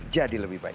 jadi lebih baik